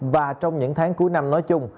và trong những tháng cuối năm nói chung